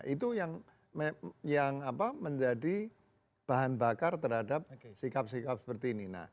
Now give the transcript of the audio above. itu yang menjadi bahan bakar terhadap sikap sikap seperti ini